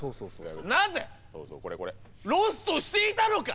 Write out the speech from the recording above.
なぜロストしていたのか？